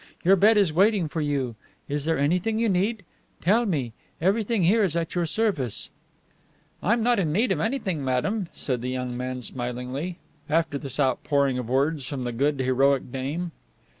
Your bed is waiting for you. Is there anything you need? Tell me. Everything here is at your service." "I'm not in need of anything, madame," said the young man smilingly, after this outpouring of words from the good, heroic dame.